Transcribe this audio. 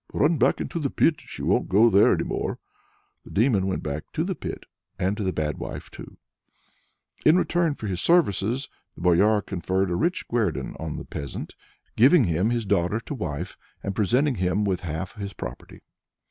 "Run back into the pit. She won't go there any more." The Demon went back to the pit and to the Bad Wife too. In return for his services, the Boyar conferred a rich guerdon on the peasant, giving him his daughter to wife, and presenting him with half his property.